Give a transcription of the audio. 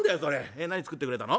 えっ何作ってくれたの？